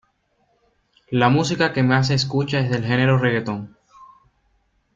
La música que más se escucha es del género reggaeton.